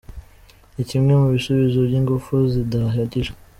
Ni kimwe mu bisubizo by’ingufu zidahagije”.